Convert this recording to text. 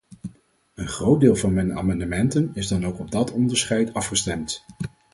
Een groot deel van mijn amendementen is dan ook op dat onderscheid afgestemd.